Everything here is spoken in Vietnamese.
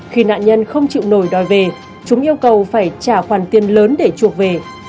khi nạn nhân không chịu nổi đòi về chúng yêu cầu phải trả khoản tiền lớn để chuộc về